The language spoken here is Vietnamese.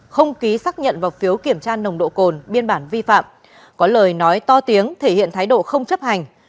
không ký xác nhận vào phiếu kiểm tra nồng độ cồn biên bản vi phạm có lời nói to tiếng thể hiện thái độ không chấp hành